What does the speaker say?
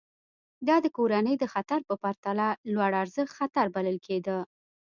دا د کورنۍ د خطر په پرتله لوړارزښت خطر بلل کېده.